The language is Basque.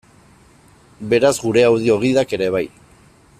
Beraz, gure audio-gidak ere bai.